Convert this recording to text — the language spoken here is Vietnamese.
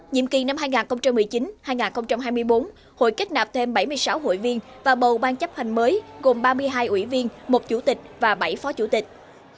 nhiệm kỳ năm hai nghìn một mươi chín hai nghìn hai mươi bốn hội kết nạp thêm bảy mươi sáu hội viên và bầu ban chấp hành mới gồm ba mươi hai ủy viên một chủ tịch và bảy phó chủ tịch